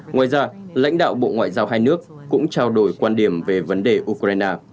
ngoài ra lãnh đạo bộ ngoại giao hai nước cũng trao đổi quan điểm về vấn đề ukraine